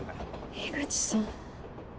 樋口さん。